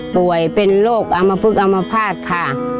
ป่วยเป็นโรคอมพึกอามภาษณ์ค่ะ